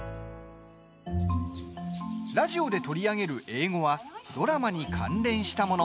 ラジオで取り上げる英語はドラマに関連したもの。